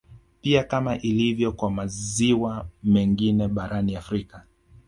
Pia kama ilivyo kwa maziwa mengine barani Afrika